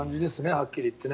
はっきり言ってね。